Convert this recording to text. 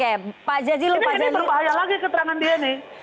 ini berbahaya lagi keterangan dia nih